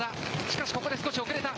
しかしここで少し遅れた。